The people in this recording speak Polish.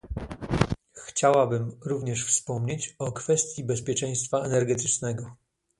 Chciałabym również wspomnieć o kwestii bezpieczeństwa energetycznego